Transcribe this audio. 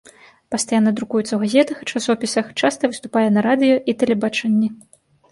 Пастаянна друкуецца ў газетах і часопісах, часта выступае на радыё і тэлебачанні.